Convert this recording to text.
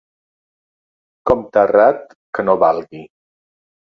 Compte errat, que no valgui.